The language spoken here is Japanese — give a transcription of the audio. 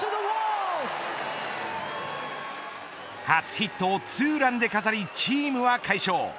初ヒットをツーランで飾りチームは快勝。